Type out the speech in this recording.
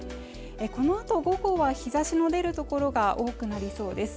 このあと午後は日差しの出るところが多くなりそうです